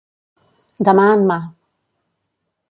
De mà en mà.